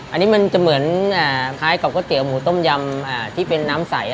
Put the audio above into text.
อันนี้มันจะเหมือนกระเตี๋ยวหมูต้มยำที่เป็นน้ำใส